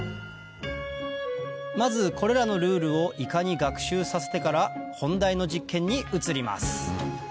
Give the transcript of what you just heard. まずこれらのルールをイカに学習させてから本題の実験に移ります